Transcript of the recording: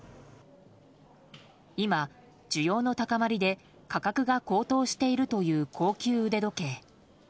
今、需要の高まりで価格が高騰しているという高級腕時計。